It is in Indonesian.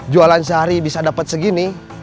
jualan sehari bisa dapat segini